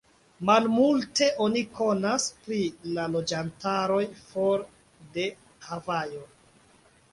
Malmulte oni konas pri la loĝantaroj for de Havajo.